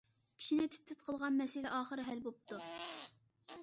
كىشىنى تىت- تىت قىلغان مەسىلە ئاخىرى ھەل بوپتۇ.